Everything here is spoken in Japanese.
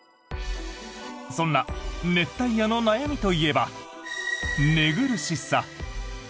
そんな熱帯夜の悩みといえば寝苦しさ。